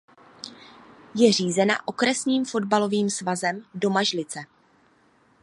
Je řízena Okresním fotbalovým svazem Domažlice.